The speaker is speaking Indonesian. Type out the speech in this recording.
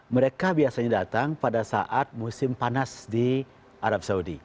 mereka biasanya datang pada saat musim panas di arab saudi